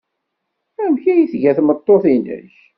Amek ay tga tmeṭṭut-nnek?